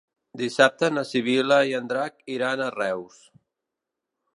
Dissabte na Sibil·la i en Drac iran a Reus.